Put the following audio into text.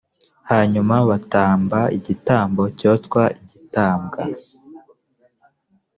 hanyuma batamba igitambo cyoswa gitambwa